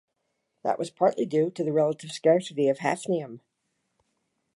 That was partly due to the relative scarcity of hafnium.